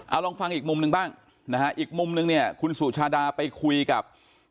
เอาลองฟังอีกมุมหนึ่งบ้างนะฮะอีกมุมนึงเนี่ยคุณสุชาดาไปคุยกับ